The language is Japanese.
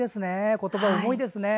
言葉が重いですね。